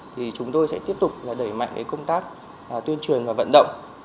thì chúng tôi sẽ tiếp tục đẩy mạnh công tác tuyên truyền và vận động